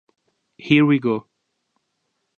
Here We Go